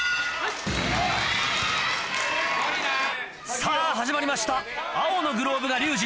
さぁ始まりました青のグローブが龍心。